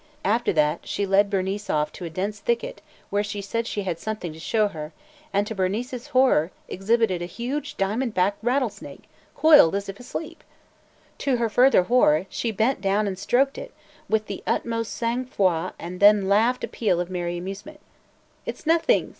After that, she led Bernice off to a dense thicket where she said she had something to show her and, to Bernice's horror, exhibited a huge diamond backed rattlesnake, coiled as if asleep. To her further horror, she bent down and stroked it with the utmost sang froid and then laughed a peal of merry amusement. "It 's nothing!